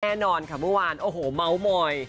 แน่นอนค่ะเมื่อวานโอ้โหเมาส์มอย